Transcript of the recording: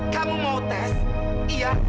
kamu mau tes iya